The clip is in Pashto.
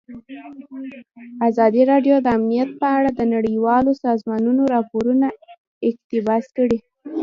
ازادي راډیو د امنیت په اړه د نړیوالو سازمانونو راپورونه اقتباس کړي.